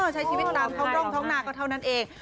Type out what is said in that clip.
ใช้ชีวิตตามเท่าสร้างเท้าหน้าก็เท่านั้นเอง